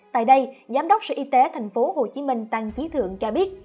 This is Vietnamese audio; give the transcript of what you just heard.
tại đây giám đốc sở y tế tp hcm tăng trí thượng cho biết